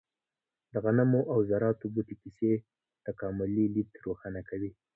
د غنمو او ذراتو بوټو کیسې تکاملي لید روښانه کوي.